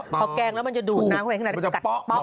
พอแกงละมันจะดูดน้ำไว้ข้างในก้ะป๊ะ